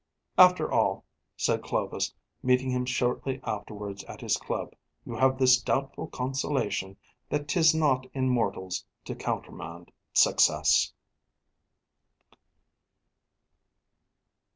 "After all," said Clovis, meeting him shortly afterwards at his club, "you have this doubtful consolation, that 'tis not in mortals to countermand success."